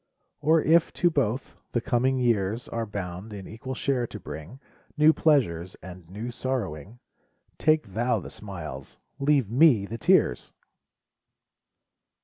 Or if, to both, the coming years Are bound in equal share to bring New pleasures, and new sorrowing. Take thou the smiles, leave me the tears